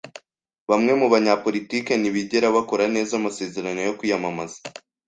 Bamwe mu banyapolitiki ntibigera bakora neza amasezerano yo kwiyamamaza.